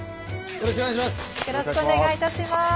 よろしくお願いします。